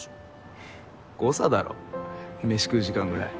ふっ誤差だろ飯食う時間ぐらい。